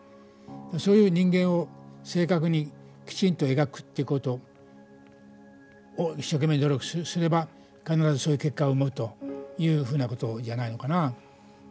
そういう人間を正確に、きちんと描くってことを一生懸命、努力すれば必ず、そういう結果を生むというふうなことじゃないのかな。